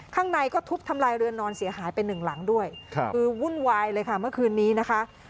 ข้างในก็ทุบทำลายเรือนนอนเสียหายไปหนึ่งหลังด้วยคือวุ่นวายเลยค่ะเมื่อคืนนี้นะคะ